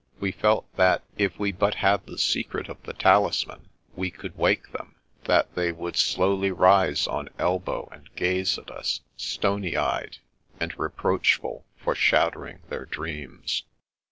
We felt that, if we but had the secret of the talisman, we could wake them; that they would slowly rise on elbow, and gaze at us, stony eyed, and reproachful for shattering their dreams.